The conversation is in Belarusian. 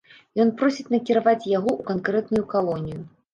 Ён просіць накіраваць яго ў канкрэтную калонію.